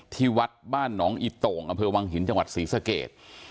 ที่วัดบ้านหนองอิโต่งอำเภอวังหินจังหวัดศรีสเกต